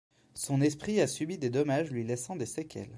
Son esprit a subi des dommages lui laissant des séquelles.